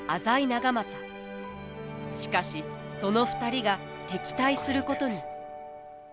しかしその２人が敵対することに。